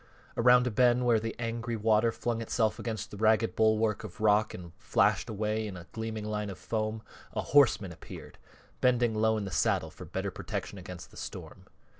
Around a bend where the angry water flung itself against the ragged bulwark of rock and flashed away in a gleaming line of foam, a horseman appeared, bending low in the saddle for better protection against the storm.